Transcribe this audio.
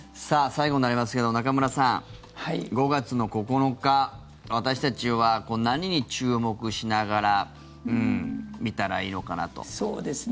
最後になりますけど中村さん、５月の９日私たちは何に注目しながら見たらいいのかなと。